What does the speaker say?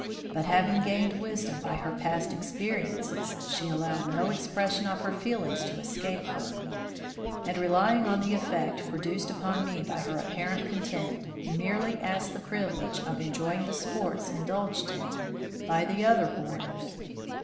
But having gained wisdom by her past experiences, she allowed no expression of her feelings to escape her; and, relying on the effect produced upon me by her apparent content, merely asked the privilege of enjoying the sports indulged in by the other boarders.